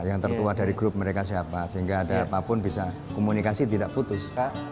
yang tertua dari grup mereka siapa sehingga ada apapun bisa komunikasi tidak putus